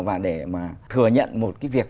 và để mà thừa nhận một cái việc